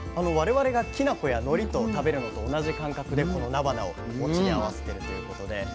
我々がきな粉やのりと食べるのと同じ感覚でこのなばなをもちに合わせてるということで。